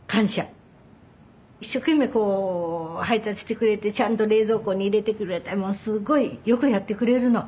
一生懸命配達してくれてちゃんと冷蔵庫に入れてくれてすごいよくやってくれるの。